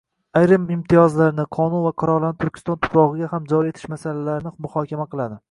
ayrim imtiyozlarini, qonun va qarorlarini Turkiston tuprog'iga ham joriy etish masalalarini muhokama qiladi.